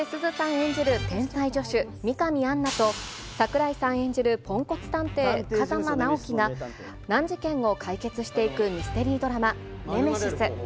演じる天才助手、美神アンナと、櫻井さん演じるポンコツ探偵、風真尚希が難事件を解決していくミステリードラマ、ネメシス。